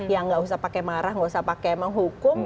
yang nggak usah pakai marah nggak usah pakai menghukum